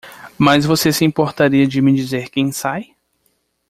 Mas você se importaria de me dizer quem sai?